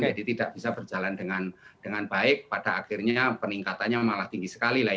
jadi tidak bisa berjalan dengan baik pada akhirnya peningkatannya malah tinggi sekali lah